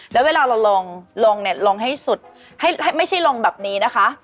แล้วเวลาเราลงลงเนี่ยลงให้สุดไม่ใช่ลงแบบนี้นะคะ